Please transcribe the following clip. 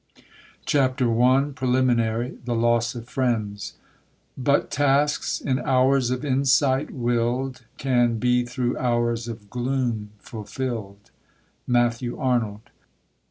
CHAPTER I PRELIMINARY THE LOSS OF FRIENDS But tasks in hours of insight will'd Can be through hours of gloom fulfill'd. MATTHEW ARNOLD.